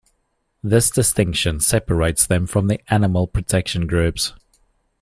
This distinction separates them from the animal protection groups.